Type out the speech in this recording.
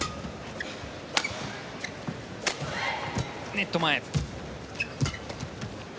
ネット前。